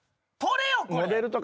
取れよこれ。